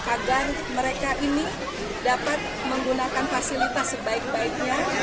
agar mereka ini dapat menggunakan fasilitas sebaik baiknya